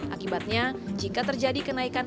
akibatnya jika terjadi kenaikan